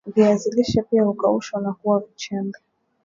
viazi lishe pia hukaushwa na kuwa vichembe